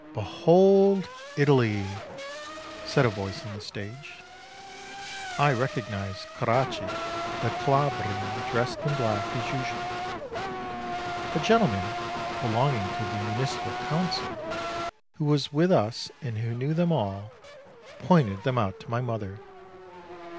"Behold Italy!" said a voice on the stage. I recognized Coraci, the Calabrian, dressed in black as usual. A gentleman be longing to the municipal council, who was with us and who knew them all, pointed them out to my mother.